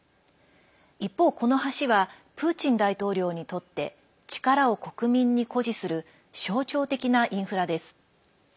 一方、この橋はプーチン大統領にとって力を国民に誇示する象徴的なインフラです。